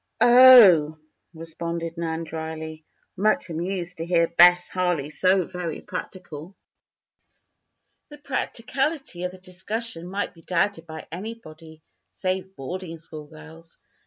"Oh!" responded Nan, drily, much amused to hear Bess Harley so very practical. The practicality of the discussion might be doubted by anybody save boarding school girls.